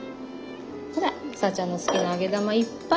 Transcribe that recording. ほらさぁちゃんの好きな揚げ玉いっぱい。